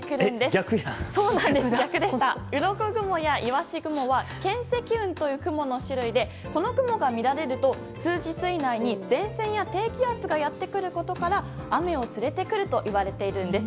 うろこ雲やいわし雲は巻積雲という雲の種類でこの雲が見られると数日以内に前線や低気圧がやってくることから雨を連れてくるといわれているんです。